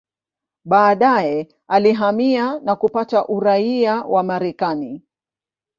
Baadaye alihamia na kupata uraia wa Marekani.